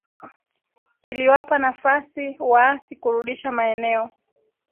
iliwapa nafasi waasi kurudisha maeneo